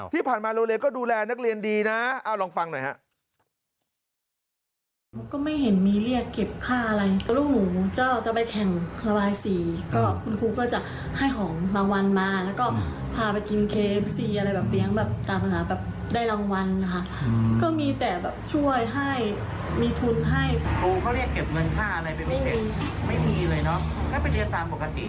ที่ผ่านมาโรงเรียนก็ดูแลนักเรียนดีนะลองฟังหน่อยฮะ